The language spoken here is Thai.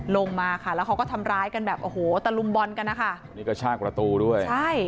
แล้วเขาก็ทำร้ายกันแบบอันนี้ก็ชากกระตูด้วย